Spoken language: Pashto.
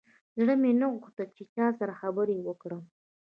زړه مې نه غوښتل چې له چا سره خبرې وکړم.